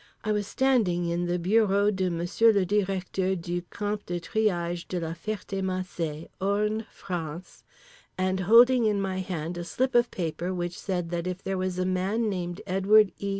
I was standing in the bureau de Monsieur le Directeur du Camp de Triage de la Ferté Macé, Orne, France, and holding in my hand a slip of paper which said that if there was a man named Edward E.